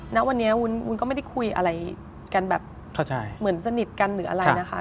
ณวันนี้วุ้นก็ไม่ได้คุยอะไรกันแบบเหมือนสนิทกันหรืออะไรนะคะ